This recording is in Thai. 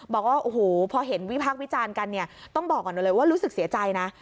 บอกว่าโอ้โหพอเห็นวิพากษ์วิจารณ์กันเนี่ยต้องบอกก่อนเลยว่ารู้สึกเสียใจนะ